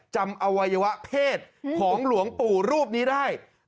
อวัยวะเพศของหลวงปู่รูปนี้ได้